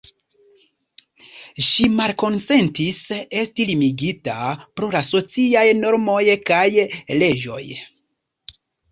Ŝi malkonsentis esti limigita pro la sociaj normoj kaj leĝoj.